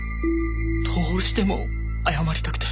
どうしても謝りたくて。